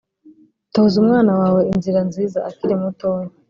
toza umwana wawe inzira nziza akiri mutoya